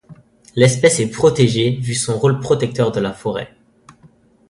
L'espèce est protégée vu son rôle protecteur de la forêt.